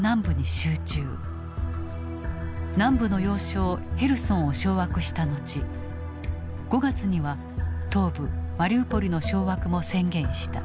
南部の要衝ヘルソンを掌握した後５月には東部マリウポリの掌握も宣言した。